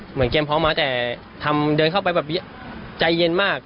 เหมือนเกมพร้อมมาแต่ทำเดินเข้าไปแบบใจเย็นมาก